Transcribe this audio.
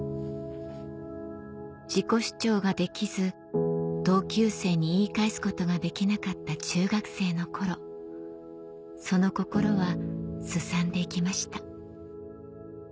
自己主張ができず同級生に言い返すことができなかった中学生の頃その心はすさんで行きました